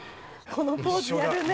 このポーズやるね。